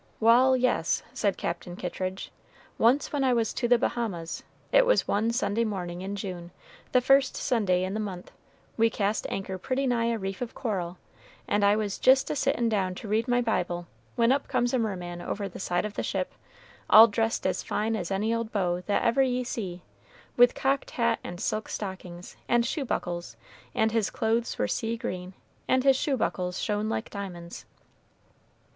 "Wal', yes," said Captain Kittridge; "once when I was to the Bahamas, it was one Sunday morning in June, the first Sunday in the month, we cast anchor pretty nigh a reef of coral, and I was jist a sittin' down to read my Bible, when up comes a merman over the side of the ship, all dressed as fine as any old beau that ever ye see, with cocked hat and silk stockings, and shoe buckles, and his clothes were sea green, and his shoe buckles shone like diamonds."